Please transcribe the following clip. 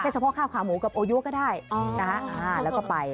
เฉพาะข้าวขาหมูกับโอยัวก็ได้